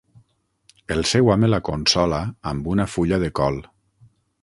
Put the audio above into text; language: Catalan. El seu home la consola amb una fulla de col.